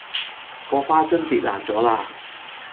嗰花樽跌爛咗啦